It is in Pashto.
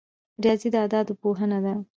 ریاضي د اعدادو پوهنه ده